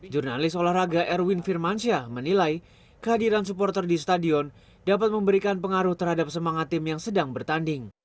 jurnalis olahraga erwin firmansyah menilai kehadiran supporter di stadion dapat memberikan pengaruh terhadap semangat tim yang sedang bertanding